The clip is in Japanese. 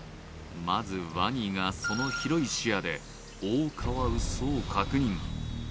まずワニがその広い視野でオオカワウソを確認